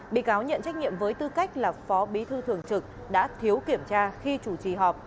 bị cáo nhận trách nhiệm với tư cách là phó bí thư thường trực đã thiếu kiểm tra khi chủ trì họp